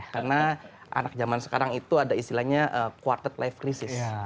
karena anak jaman sekarang itu ada istilahnya quarter life crisis